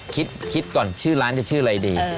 คิดก่อนชื่อร้านจะชื่ออะไรดี